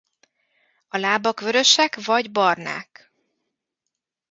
A lábak vörösek vagy barnák.